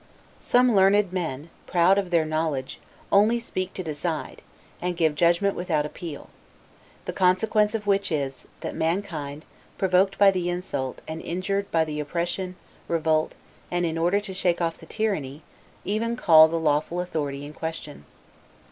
Some learned men, proud of their knowledge, only speak to decide, and give judgment without appeal; the consequence of which is, that mankind, provoked by the insult, and injured by the oppression, revolt; and, in order to shake off the tyranny, even call the lawful authority in question.